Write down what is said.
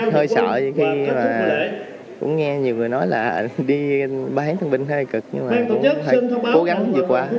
hơi sợ khi mà cũng nghe nhiều người nói là đi bán thân binh hơi cực nhưng mà cũng hơi cố gắng dựa qua